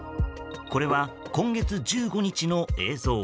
これは今月１５日の映像。